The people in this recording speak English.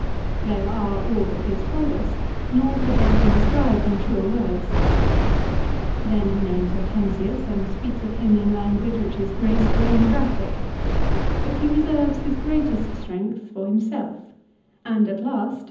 6 They are all that he has told us, nor could they have been described in truer words. Then he names Hortensius and speaks of him in language which is graceful and graphic, but he reserves his greatest strength for himself, and at last, 1 Brutus, ca.